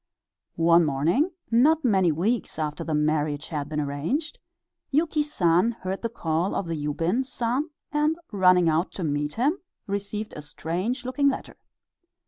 One morning, not many weeks after the marriage had been arranged, Yuki San heard the call of the Yubin San, and running out to meet him, received a strange looking letter.